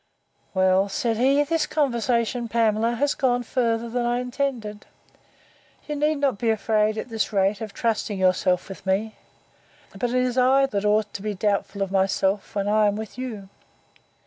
Well, said he, this conversation, Pamela, is gone farther than I intended it. You need not be afraid, at this rate, of trusting yourself with me: but it is I that ought to be doubtful of myself, when I am with you.